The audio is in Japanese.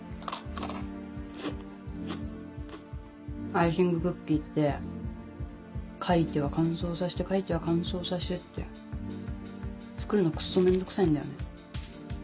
アイシングクッキーって描いては乾燥させて描いては乾燥させてって作るのクッソ面倒くさいんだよね。